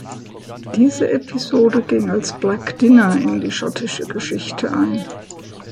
Diese Episode ging als „Black Dinner“ in die schottische Geschichte ein.